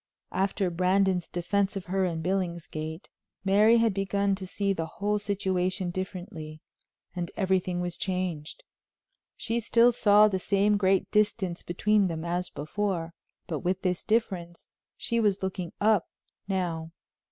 After Brandon's defense of her in Billingsgate, Mary had begun to see the whole situation differently, and everything was changed. She still saw the same great distance between them as before, but with this difference, she was looking up now.